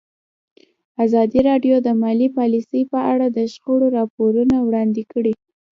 ازادي راډیو د مالي پالیسي په اړه د شخړو راپورونه وړاندې کړي.